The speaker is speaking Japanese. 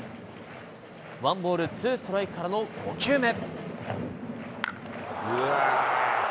ワンボールツーストライクからの５球目。